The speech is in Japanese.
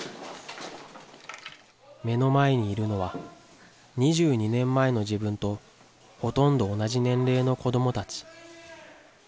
目の前にいるのは、２２年前の自分とほとんど同じ年齢の子どもたち。